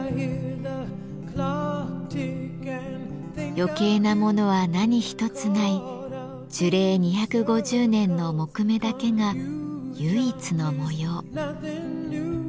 余計なものは何一つない樹齢２５０年の木目だけが唯一の模様。